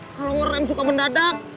kalau warren suka mendadak